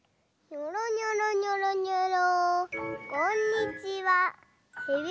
にょろにょろにょろにょろ。